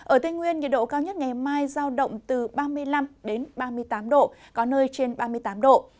ở tây nguyên nhiệt độ cao nhất ngày mai giao động từ ba mươi năm ba mươi tám độ có nơi trên ba mươi tám độ